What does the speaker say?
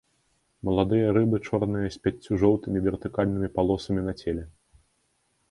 Маладыя рыбы чорныя з пяццю жоўтымі вертыкальнымі палосамі на целе.